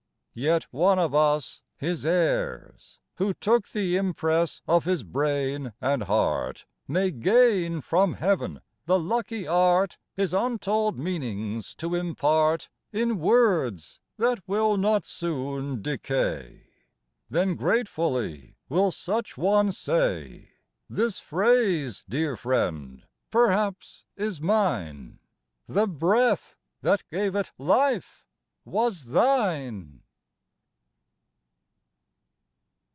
Yet one of us, his heirs, who took The impress of his brain and heart May gain from Heaven the lucky art His untold meanings to impart In words that will not soon decay. Then gratefully will such one say: "This phrase, dear friend, perhaps, is mine; The breath that gave it life was thine."